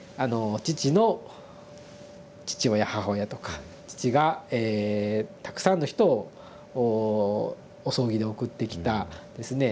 父の父親母親とか父がえたくさんの人をお葬儀で送ってきたですね